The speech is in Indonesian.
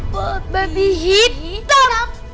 buat babi hitam